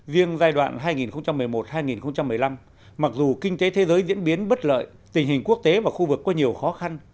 riêng giai đoạn hai nghìn một mươi một hai nghìn một mươi năm mặc dù kinh tế thế giới diễn biến bất lợi tình hình quốc tế và khu vực có nhiều khó khăn